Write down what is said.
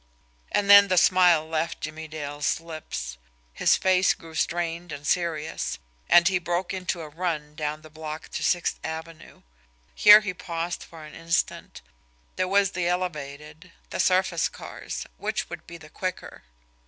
And then the smile left Jimmie Dale's lips, his face grew strained and serious, and he broke into a run down the block to Sixth Avenue. Here he paused for an instant there was the elevated, the surface cars which would be the quicker?